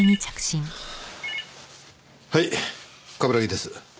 はい冠城です。